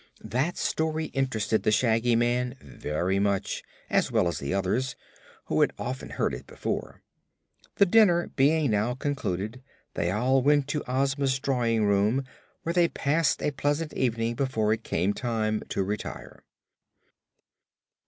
That story interested the Shaggy Man very much, as well as the others, who had often heard it before. The dinner being now concluded, they all went to Ozma's drawing room, where they passed a pleasant evening before it came time to retire.